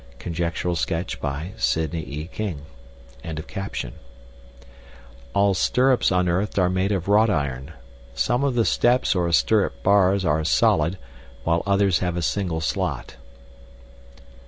(Conjectural sketch by Sidney E. King.)] All stirrups unearthed are made of wrought iron. Some of the steps or stirrup bars are solid, while others have a single slot.